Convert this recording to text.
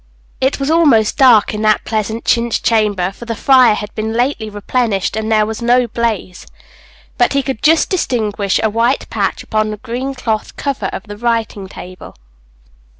It was almost dark in that pleasant chintz chamber, for the fire had been lately replenished, and there was no blaze; but he could just distinguish a white patch upon the green cloth cover of the writing table.